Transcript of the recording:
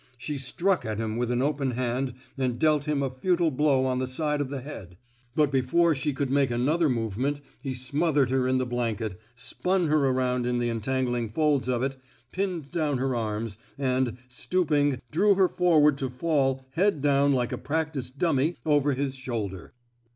She struck at him with an open hand and dealt him a futile blow on the side of the head; but before she could make another movement he smothered her in the blanket, spun her around in the entan gling folds of it, pinned down her arms, and, stooping, drew her forward to fall, head down like a practice dummy,*' over his shoulder.